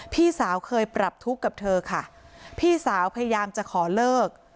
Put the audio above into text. พี่สาวเคยปรับทุกข์กับเธอค่ะพี่สาวพยายามจะขอเลิก